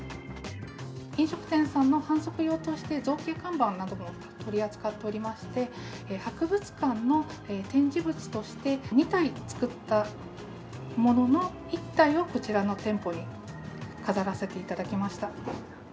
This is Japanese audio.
飲食店さんの販促用として、造形看板なども取り扱っておりまして、博物館の展示物として、２体作ったものの１体をこちらの店舗に飾らせていただきました。